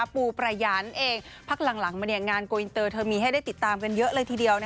ปูประยานั่นเองพักหลังมางานโกอินเตอร์เธอมีให้ได้ติดตามกันเยอะเลยทีเดียว